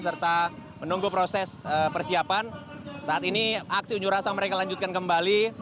serta menunggu proses persiapan saat ini aksi unjuk rasa mereka lanjutkan kembali